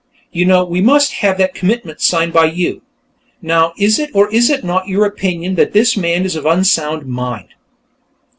You know, we must have that commitment signed by you. Now, is it or is it not your opinion that this man is of unsound mind?"